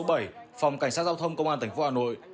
phòng cảnh sát giao thông công an tp hà nội